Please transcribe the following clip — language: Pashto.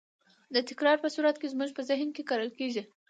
د تکرار په صورت کې زموږ په ذهن کې کرل کېږي.